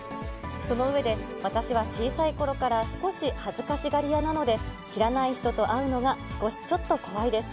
その上で、私は小さいころから少し恥ずかしがり屋なので、知らない人と会うのがちょっと怖いです。